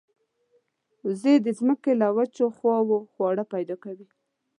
وزې د زمکې له وچو خواوو خواړه پیدا کوي